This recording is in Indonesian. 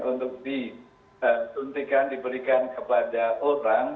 untuk disuntikan diberikan kepada orang